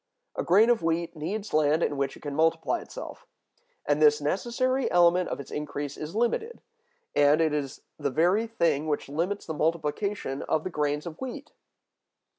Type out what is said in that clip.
A grain of wheat needs land in which it can multiply itself, and this necessary element of its increase is limited; and it is the very thing which limits the multiplication of the grains of wheat.